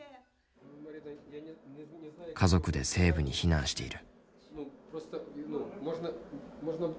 家族で西部に避難している。